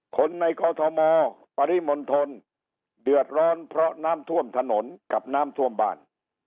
คนในกอทมปริมณฑลเดือดร้อนเพราะน้ำท่วมถนนกับน้ำท่วมบ้าน